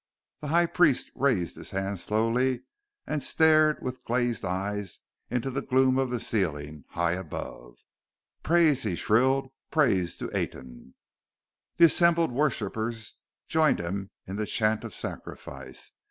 The High Priest raised his hands slowly, and stared with glazed eyes into the gloom of the ceiling, high above. "Praise!" he shrilled. "Praise to Aten!" The assembled worshippers joined him in the chant of sacrifice.